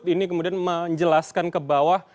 ini kemudian menjelaskan ke bawah